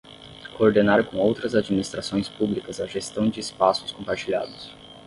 Coordenar com outras administrações públicas a gestão de espaços compartilhados.